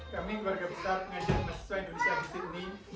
kami warga besar pengajian mahasiswa indonesia di sydney